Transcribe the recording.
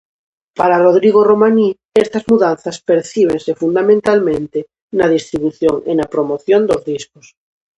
Para Rodrigo Romaní, estas mudanzas percíbense fundamentalmente na distribución e na promoción dos discos.